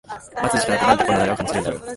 待つ時間ってなんでこんな長く感じるんだろう